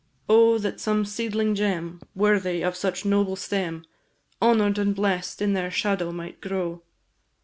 O that some seedling gem, Worthy such noble stem, Honour'd and bless'd in their shadow might grow!